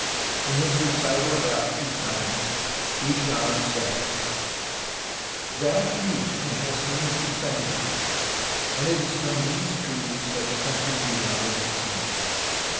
In his recital about Fusang, Hwui Shan said : "That region has many Fusang trees, and it is from these trees that the country derives its name.